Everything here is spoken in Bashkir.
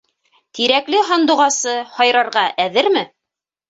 - Тирәкле һандуғасы һайрарға әҙерме?